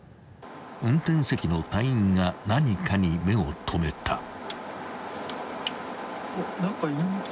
［運転席の隊員が何かに目を留めた］